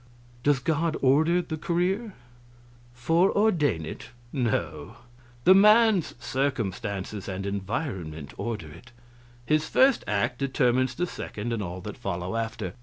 "Does God order the career?" "Foreordain it? No. The man's circumstances and environment order it. His first act determines the second and all that follow after.